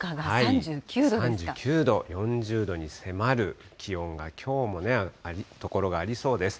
３９度、４０度に迫る気温が、きょうもある所がありそうです。